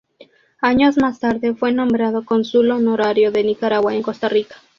Años más tarde fue nombrado Cónsul honorario de Nicaragua en Costa Rica.